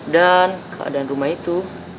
dan keadaan rumah itu